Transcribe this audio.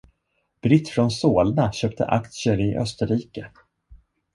Britt från Solna köpte aktier i Österrike.